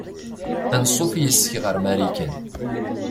Anṣuf yes-k ɣer Marikan.